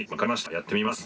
やってみます。